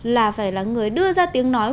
là phải là người đưa ra tiếng nói